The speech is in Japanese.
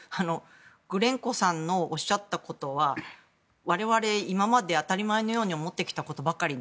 グレンコさんのおっしゃったことは我々、今まで当たり前のように思ってきたことばかりで。